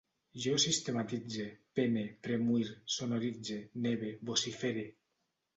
Jo sistematitze, pene, premuir, sonoritze, neve, vocifere